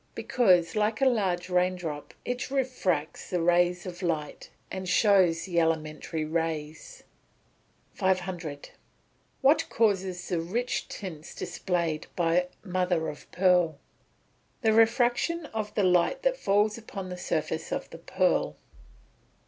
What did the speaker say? _ Because, like a large rain drop, it refracts the rays of light, and shows the elementary rays. 500. What causes the rich tints displayed by "mother of pearl?" The refraction of the light that falls upon the surface of the pearl.